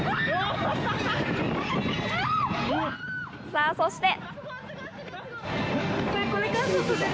さぁ、そして。